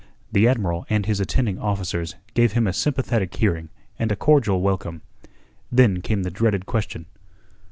The Admiral and his attending officers gave him a sympathetic hearing and a cordial welcome. Then came the dreaded question.